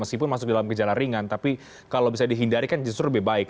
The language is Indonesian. meskipun masuk dalam gejala ringan tapi kalau bisa dihindari kan justru lebih baik